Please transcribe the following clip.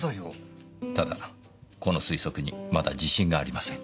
ただこの推測にまだ自信がありません。